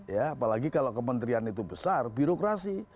ya apalagi kalau kementerian itu besar birokrasi